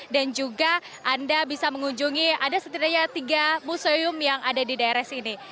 juga anda bisa mengunjungi ada setidaknya tiga museum yang ada di daerah sini